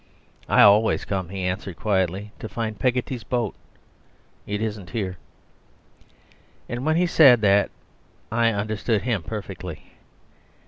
"I always come," he answered quietly, "to find Peggotty's boat. It isn't here." And when he said that I understood him perfectly.